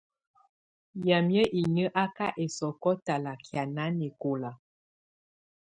Yamɛ̀á inyǝ́ á ka ɛsɔkɔ talakɛá nanɛkɔla.